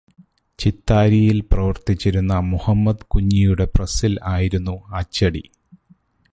ചിത്താരിയിൽ പ്രവർത്തിച്ചിരുന്ന മുഹമ്മദ് കുഞ്ഞിയുടെ പ്രസ്സിൽ ആയിരുന്നു അച്ചടി.